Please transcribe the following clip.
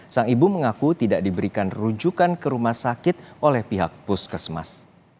sang ibu mengaku tidak diberikan rujukan ke rumah sakit oleh pihak puskesmas